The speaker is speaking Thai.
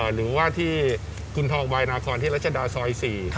หรือว่าที่คุณทองวายนาคอนที่รัชดาซอย๔